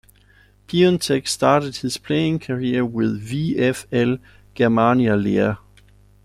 Piontek started his playing career with VfL Germania Leer.